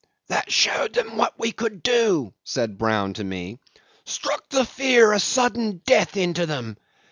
"That showed them what we could do," said Brown to me. "Struck the fear of sudden death into them.